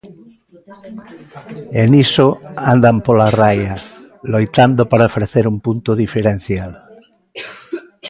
E niso andan pola 'raia', loitando para ofrecer un punto diferencial.